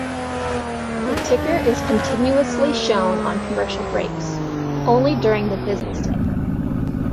The ticker is continuously shown on commercial breaks, only during the business day.